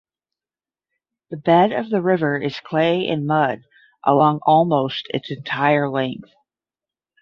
The bed of the river is clay and mud along almost its entire length.